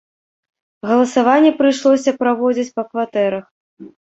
Галасаванне прыйшлося праводзіць па кватэрах.